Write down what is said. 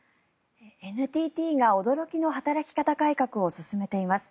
ＮＴＴが驚きの働き方改革を進めています。